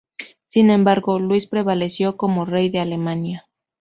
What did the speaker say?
Sin embargo, Luis prevaleció como rey de Alemania.